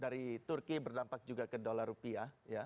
dari turki berdampak juga ke dolar rupiah